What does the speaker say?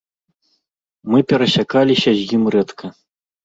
Мы перасякаліся з ім рэдка.